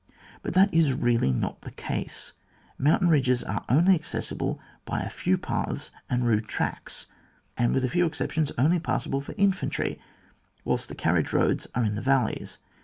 But that is really not the case. Moimtain ridges are only accessible by a few paths and rude tracks, with a few exceptions only passable. for infantry, whilst the carriage roads are in the vaUeys.